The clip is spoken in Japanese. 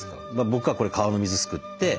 僕はこれ川の水すくって。